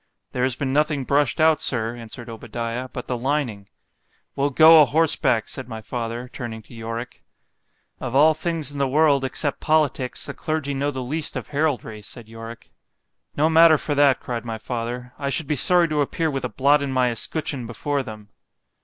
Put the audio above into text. ——There has been nothing brush'd out, Sir, answered Obadiah, but the lining. We'll go o'horseback, said my father, turning to Yorick—Of all things in the world, except politicks, the clergy know the least of heraldry, said Yorick.—No matter for that, cried my father——I should be sorry to appear with a blot in my escutcheon before them.